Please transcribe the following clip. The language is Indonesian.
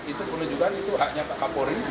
itu menunjukkan itu haknya pak kapolri